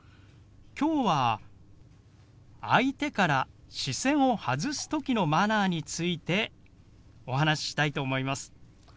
きょうは相手から視線を外す時のマナーについてお話ししたいと思います。